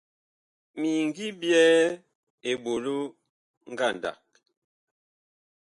Mi ngi byɛɛ eɓolo ngandag.